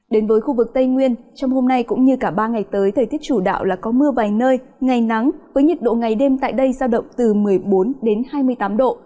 đến với khu vực tây nguyên trong hôm nay cũng như cả ba ngày tới thời tiết chủ đạo là có mưa vài nơi ngày nắng với nhiệt độ ngày đêm tại đây giao động từ một mươi bốn đến hai mươi tám độ